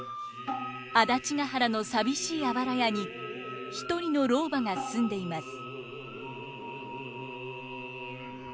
安達原の寂しいあばら家に一人の老婆が住んでいます。